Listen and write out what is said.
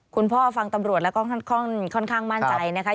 ฟังตำรวจแล้วก็ค่อนข้างมั่นใจนะคะ